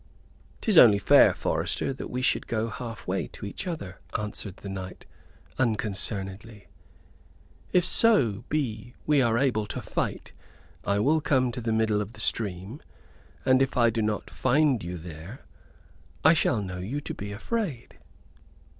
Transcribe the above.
"'Tis only fair, forester, that we should go half way to each other," answered the knight, unconcernedly, "if so be we are able to fight. I will come to the middle of the stream, and if I do not find you there, I shall know you to be afraid."